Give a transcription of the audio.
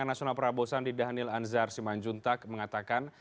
dan jurubicara bpn prabowo sandi daniel anzar simanjuntak mengatakan